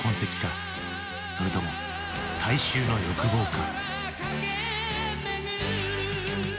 それとも大衆の欲望か？